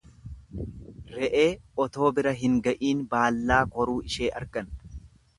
Re'een otoo bira hin ga'iin baallaa koruu ishee argan.